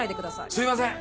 すみません。